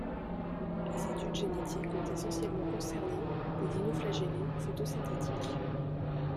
Les études génétiques ont essentiellement concerné des dinoflagellés photosynthétiques.